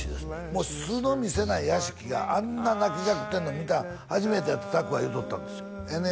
もう素を見せない屋敷があんな泣きじゃくってんの見たの初めてやって拓が言うとったんですよ